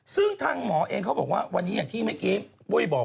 ซึ่งทางหมอเองเขาบอกว่าวันนี้อย่างที่เมื่อกี้ปุ้ยบอก